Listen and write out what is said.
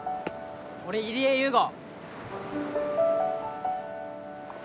俺入江勇吾。